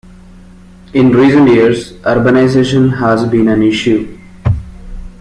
In recent years, urbanization has been an issue.